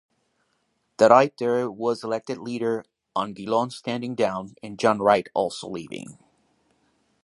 De Ruyter was elected leader on Gillon standing down and John Wright also leaving.